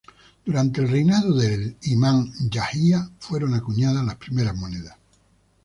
Durante el reinado de Iman Yahya, fueron acuñadas las primeras monedas.